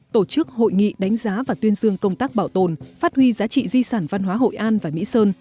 tổ chức hội nghị đánh giá và tuyên dương công tác bảo tồn phát huy giá trị di sản văn hóa hội an và mỹ sơn